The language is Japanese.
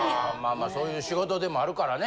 まあそういう仕事でもあるからね。